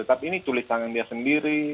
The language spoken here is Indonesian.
tapi ini tulis tangan dia sendiri